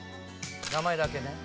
名前だけね。